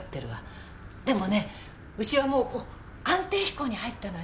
でもねうちはもう安定飛行に入ったのよ。